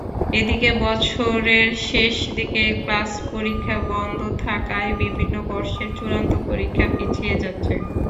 এদিকে বছরের শেষ দিকে ক্লাস-পরীক্ষা বন্ধ থাকায় বিভিন্ন বর্ষের চূড়ান্ত পরীক্ষা পিছিয়ে যাচ্ছে।